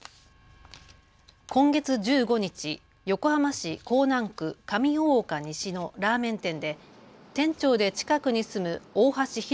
今月１５日、横浜市港南区上大岡西のラーメン店で店長で近くに住む大橋弘